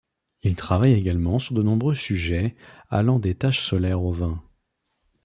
Il travaille également sur de nombreux sujets allant des taches solaires au vin.